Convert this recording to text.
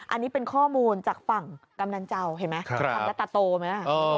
อันนี้เป็นข้อมูลจากฝั่งกำนันเจ้าเห็นไหมคำแล้วตาโตไหม